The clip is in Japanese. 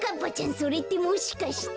それってもしかして。